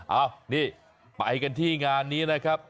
เอ้านี่ไปกันที่งานนี้นะครับ